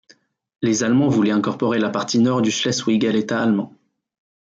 Les Allemands voulaient incorporer la partie nord du Schleswig à l’État allemand.